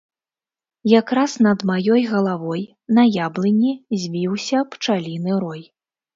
Якраз над маёй галавой на яблыні звіўся пчаліны рой.